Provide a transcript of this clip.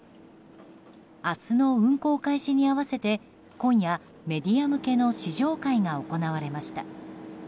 明日の運航開始に合わせて今夜、メディア向けの試乗会が行われました。